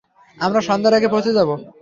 আমরা সন্ধ্যার আগে পৌঁছে যাব।